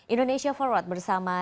indonesia forward bersama